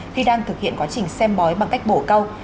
khi đang thực hiện quá trình xem bói bằng cách bổ câu